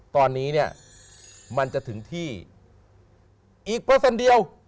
ตอนนี้เนี่ยมันจะถึงที่อีกเปอร์เซ็นต์เดียว